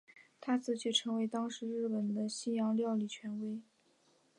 他自此成为当时日本的西洋料理权威。